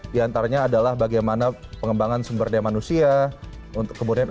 di antaranya adalah bagaimana pengembangan sumber daya manusia